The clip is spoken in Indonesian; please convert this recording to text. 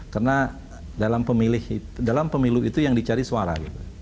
karena dalam pemilu itu yang dicari suara